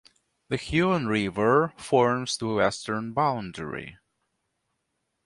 The Huon River forms the western boundary.